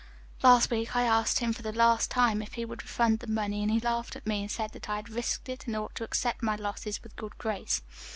"Last week I asked him for the last time if he would refund the money, and he laughed at me and said that I had risked it and ought to accept my losses with good grace.